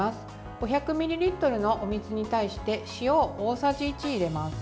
５００ミリリットルのお水に対して塩を大さじ１入れます。